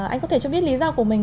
anh có thể cho biết lý do của mình